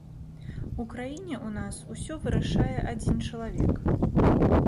У краіне ў нас усё вырашае адзін чалавек.